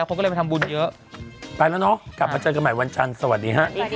โปรดติดตามกลับให้ใครรู้